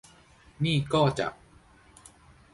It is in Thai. นี่ก็จะ